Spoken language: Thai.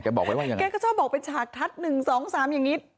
แกก็ชอบบอกเป็นฉากทัด๑๒๓อย่างนี้